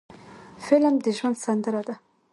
فلم د ژوند سندره ده